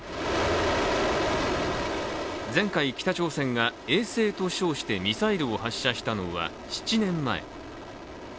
前回、北朝鮮が衛星と称してミサイルを発射したのは７年前。